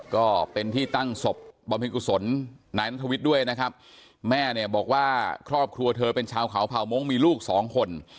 ก็เป็นที่ตั้งศพบำเพ็ญกุศลนายนัทวิทย์ด้วยนะครับแม่เนี่ยบอกว่าครอบครัวเธอเป็นชาวเขาเผ่าม้งมีลูกสองคน